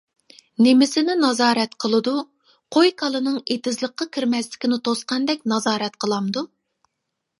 نېمىسىنى نازارەت قىلىدۇ، قوي-كالىنىڭ ئېتىزلىققا كىرمەسلىكىنى توسقاندەك نازارەت قىلامدۇ.